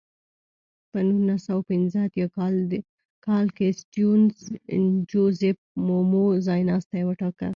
په نولس سوه پنځه اتیا کال کې سټیونز جوزیف مومو ځایناستی وټاکه.